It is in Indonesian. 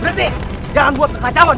berhenti jangan buat kekacauan